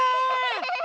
ハハハハ！